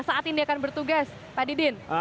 saat ini akan bertugas pak didin